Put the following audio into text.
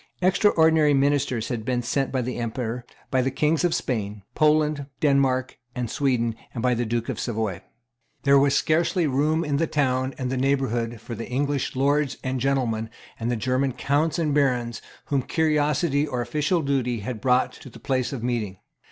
Extraordinary ministers had been sent by the Emperor, by the Kings of Spain, Poland, Denmark, and Sweden, and by the Duke of Savoy. There was scarcely room in the town and the neighbourhood for the English Lords and gentlemen and the German Counts and Barons whom curiosity or official duty had brought to the place of meeting.